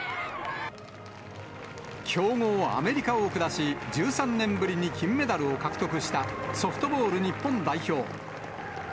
強豪、アメリカを下し、１３年ぶりに金メダルを獲得した、ソフトボール日本代表。